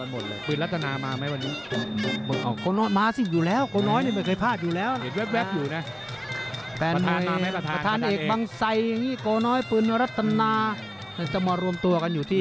แฟนคลับหน้าตู้พี่ป่าว่าไงบ้างมาก่งทุกครั้ง